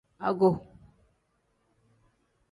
Ago.